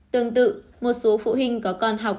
tương tự một số phụ huynh có con học